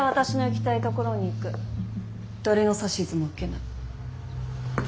誰の指図も受けない。